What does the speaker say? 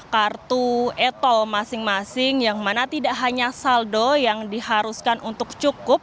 kartu e tol masing masing yang mana tidak hanya saldo yang diharuskan untuk cukup